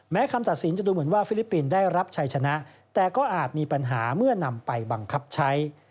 คำตัดสินจะดูเหมือนว่าฟิลิปปินส์ได้รับชัยชนะแต่ก็อาจมีปัญหาเมื่อนำไปบังคับใช้